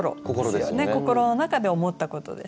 心の中で思ったことです。